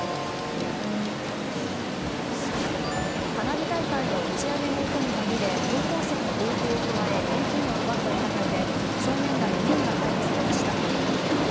花火大会の打ち上げの音にまぎれ高校生に暴行を加え現金を奪った疑いで少年ら４人が逮捕されました。